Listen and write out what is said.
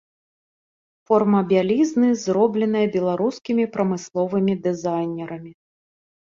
Форма бялізны зробленая беларускімі прамысловымі дызайнерамі.